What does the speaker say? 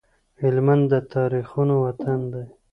هلمند د تاريخونو وطن دی